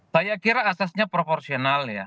saya kira asasnya proporsional ya